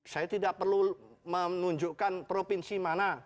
saya tidak perlu menunjukkan provinsi mana